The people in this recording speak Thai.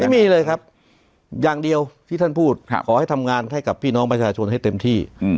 ไม่มีเลยครับอย่างเดียวที่ท่านพูดขอให้ทำงานให้กับพี่น้องประชาชนให้เต็มที่